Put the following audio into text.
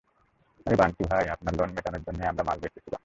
আরে বান্টি-ভাই, আপনার লোন মেটানোর জন্যই আমরা মাল বেচতেছিলাম।